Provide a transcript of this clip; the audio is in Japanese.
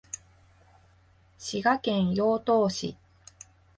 滋賀県栗東市